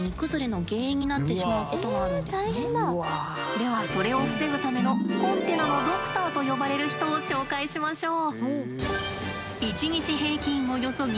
ではそれを防ぐためのコンテナのドクターと呼ばれる人を紹介しましょう。